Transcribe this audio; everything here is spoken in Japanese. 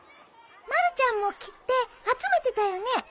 まるちゃんも切手集めてたよね。